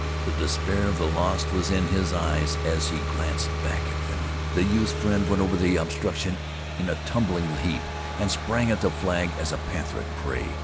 The despair of the lost was in his eyes as he glanced back at them. The youth's friend went over the obstruction in a tumbling heap and sprang at the flag as a panther at prey.